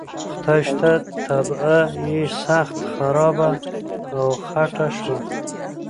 خدای شته طبعه یې سخته خرابه او خټه شوه.